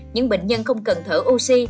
những bệnh nhân không cần thở oxy